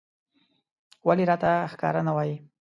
ولې راته ښکاره نه وايې